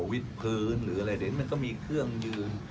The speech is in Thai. วิทธิ์พื้นหรืออะไรอะเดี๋ยวมันก็มีเครื่องยืน